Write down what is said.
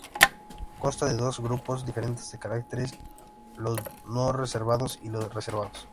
Consta de dos grupos diferentes de caracteres, los no reservados y los reservados.